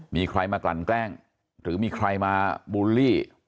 มีใครมากลั่นแกล้งหรือมีใครมาบูลลี่